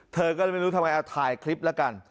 เธอก็เลยไม่รู้ทำไมเอาถ่ายคลิปแล้วกัน